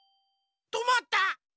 とまった！